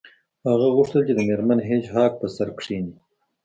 هغه غوښتل چې د میرمن هیج هاګ په سر کښینی